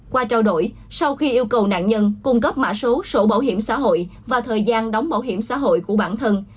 qua trao đổi sau khi yêu cầu nạn nhân cung cấp mã số sổ bảo hiểm xã hội và thời gian đóng bảo hiểm xã hội của bản thân